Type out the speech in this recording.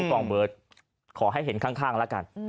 ผู้กองเบิร์ดขอให้เห็นข้างแล้วกันอืมอ่า